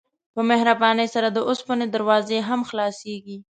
په مهربانۍ سره د اوسپنې دروازې هم خلاصیږي.